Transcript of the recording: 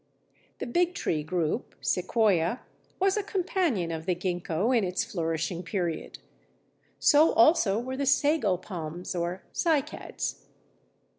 The Bigtree group (Sequoia p. 47) was a companion of the Ginkgo in its flourishing period. So also were the Sago palms or Cycads.